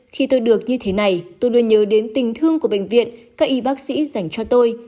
khi tôi được như thế này tôi luôn nhớ đến tình thương của bệnh viện các y bác sĩ dành cho tôi